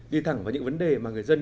đi thẳng vào những vấn đề mà người dân